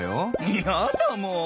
いやだもう。